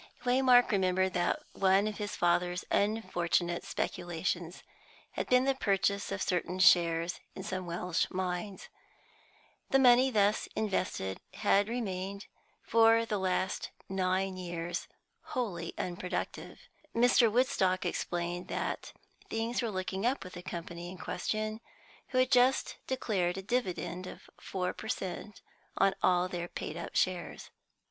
Waymark remembered that one of his father's unfortunate speculations had been the purchase of certain shares in some Welsh mines. The money thus invested had remained, for the last nine years, wholly unproductive. Mr. Woodstock explained that things were looking up with the company in question, who had just declared a dividend of 4 per cent. on all their paid up shares.